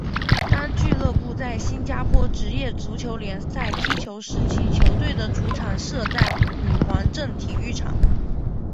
当俱乐部在新加坡职业足球联赛踢球时期球队的主场设在女皇镇体育场。